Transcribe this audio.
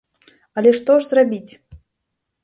Але што ж зрабіць?